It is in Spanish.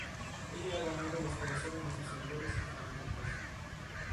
En el período Meiji, las provincias de Japón se convirtieron en prefecturas.